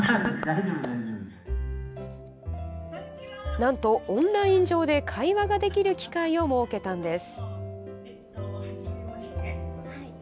なんと、オンライン上で会話ができる機会を設けたんです。